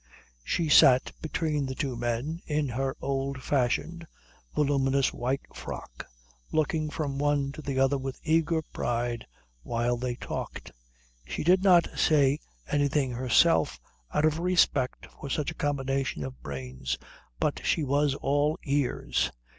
She sat between the two men in her old fashioned voluminous white frock, looking from one to the other with eager pride while they talked. She did not say anything herself out of respect for such a combination of brains, but she was all ears.